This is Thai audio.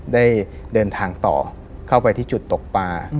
ได้เดินทางต่อเข้าไปที่จุดตกปลา